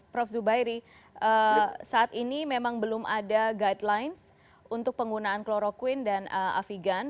prof zubairi saat ini memang belum ada guidelines untuk penggunaan kloroquine dan afigan